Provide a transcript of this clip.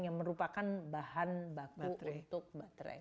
yang merupakan bahan baku untuk baterai